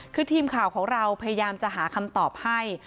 คือทีมข่าวของเราพยายามจะหาคำตอบให้